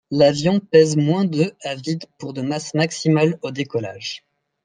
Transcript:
L'avion pèse moins de à vide pour de masse maximale au décollage.